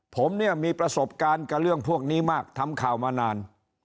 ผมเนี่ยมีประสบการณ์กับเรื่องพวกนี้มากทำข่าวมานาน